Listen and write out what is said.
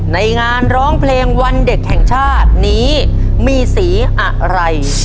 ในงานร้องเพลงวันเด็กแห่งชาตินี้มีสีอะไร